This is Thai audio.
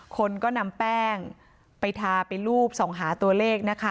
คนก็นำแป้งไปทาไปรูปส่องหาตัวเลขนะคะ